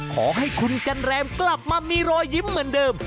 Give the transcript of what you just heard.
ขอให้คุณจันแรมกลับมามีรอยยิ้มเหมือนเดิม